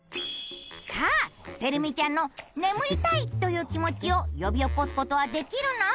さあてるみちゃんの眠りたいという気持ちを呼び起こす事はできるの！？